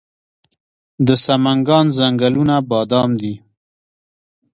د سمنګان ځنګلونه بادام دي